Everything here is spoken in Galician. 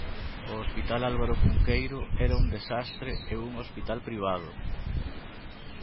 O Hospital Álvaro Cunqueiro era un desastre e un hospital privado.